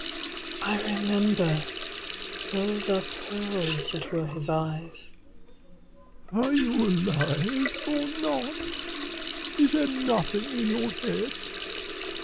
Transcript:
I remember Those are pearls that were his eyes. "Are you alive, or not? Is there nothing in your head?"